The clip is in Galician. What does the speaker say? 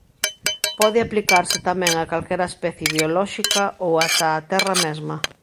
Pode aplicarse tamén a calquera especie biolóxica ou ata á terra mesma.